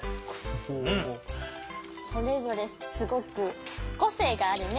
それぞれすごくこせいがあるね。